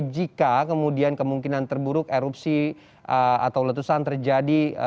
jika kemudian kemungkinan terburuk erupsi atau letusan terjadi